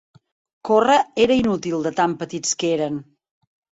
Córrer era inútil de tan petits que eren.